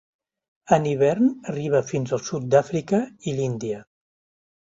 En hivern arriba fins al sud d'Àfrica, i l'Índia.